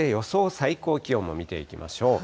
最高気温も見ていきましょう。